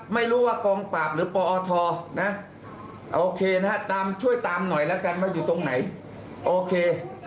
ไม่รู้ว่ากองปราบหรือปอทนะโอเคนะฮะตามช่วยตามหน่อยแล้วกันว่าอยู่ตรงไหนโอเค